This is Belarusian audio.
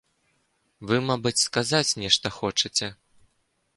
Вы, мабыць, сказаць нешта хочаце?